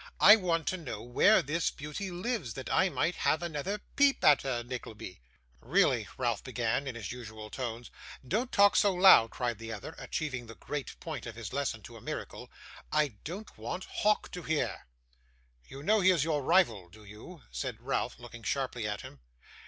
I want to know where this beauty lives, that I may have another peep at her, Nickleby.' 'Really ' Ralph began in his usual tones. 'Don't talk so loud,' cried the other, achieving the great point of his lesson to a miracle. 'I don't want Hawk to hear.' 'You know he is your rival, do you?' said Ralph, looking sharply at him.